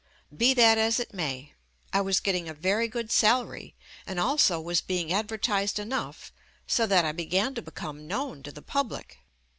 Be that as it may. I was getting a very good salary and also was being adver tised enough so that I began to become known to the public.